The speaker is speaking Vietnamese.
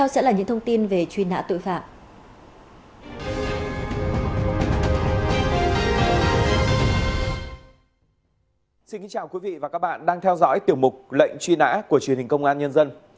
xin kính chào quý vị và các bạn đang theo dõi tiểu mục lệnh truy nã của truyền hình công an nhân dân